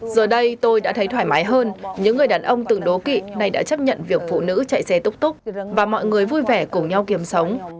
giờ đây tôi đã thấy thoải mái hơn những người đàn ông từng đố kị này đã chấp nhận việc phụ nữ chạy xe túc túc và mọi người vui vẻ cùng nhau kiếm sống